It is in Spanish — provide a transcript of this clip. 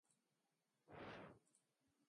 El espacio interior es diáfano y luminoso.